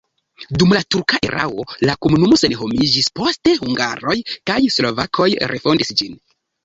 Dum la turka erao la komunumo senhomiĝis, poste hungaroj kaj slovakoj refondis ĝin.